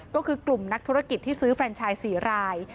ก็คือกลุ่มนักธุรกิจที่ซื้อแฟนชาย๔ราย